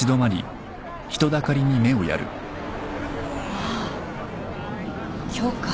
・ああ今日か。